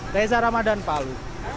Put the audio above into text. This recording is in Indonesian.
daesa ramadan palu